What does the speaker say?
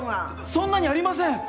そんなにありません！